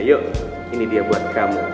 yuk ini dia buat kamu